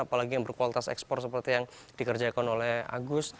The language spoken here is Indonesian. apalagi yang berkualitas ekspor seperti yang dikerjakan oleh agus